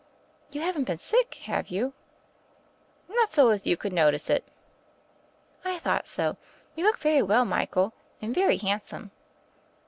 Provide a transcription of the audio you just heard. . "You haven't been sick, have you ?" "Not so as you could notice it." "I thought so. You look very well, Michael; and very handsome."